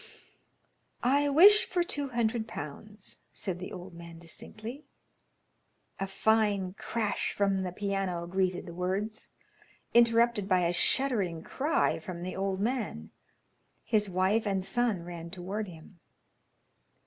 "I wish for two hundred pounds," said the old man distinctly. A fine crash from the piano greeted the words, interrupted by a shuddering cry from the old man. His wife and son ran toward him.